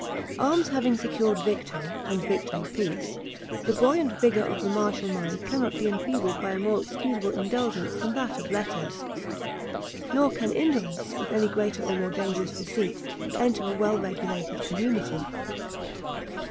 Arms having secured victory, and victory peace, the buoyant vigor of the martial mind cannot be enfeebled by a more excusable indulgence than that of letters; nor can indolence, with any greater or more dangerous deceit, enter a well regulated community.